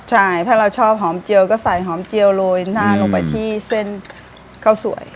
ใช่ถ้าเราชอบหอมเจียวก็ใส่หอมเจียวโรยหน้าลงไปที่เส้นข้าวสวย